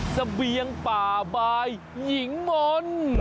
เสบียงป่าบายหญิงมนต์